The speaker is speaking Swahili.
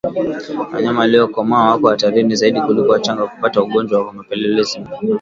Wanyama waliokomaa wako hatarini zaidi kuliko wachanga kupata ugonjwa wa mapele ya ngozi